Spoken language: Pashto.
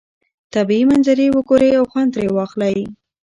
طبیعي منظرې وګورئ او خوند ترې واخلئ.